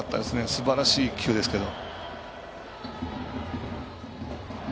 すばらしい１球ですけど。